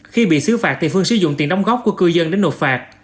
khi bị xứ phạt thì phương sử dụng tiền đóng góp của cư dân đến nộp phạt